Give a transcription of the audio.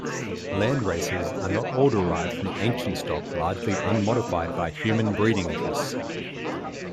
Landraces are not all derived from ancient stock largely unmodified by human breeding interests.